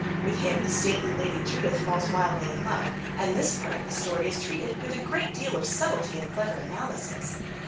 With him the stately Lady Judith falls wildly in love, and this part of the story is treated with a great deal of subtlety and clever analysis.